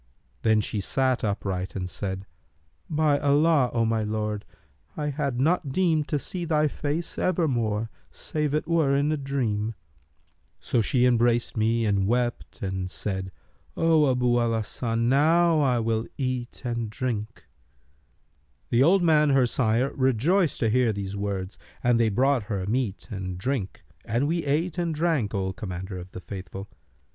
Then she sat upright and said, 'By Allah, O my lord, I had not deemed to see thy face ever more, save it were in a dream!' So she embraced me and wept, and said, 'O Abu al Hasan, now will I eat and drink.' The old man her sire rejoiced to hear these words and they brought her meat and drink and we ate and drank, O Commander of the Faithful.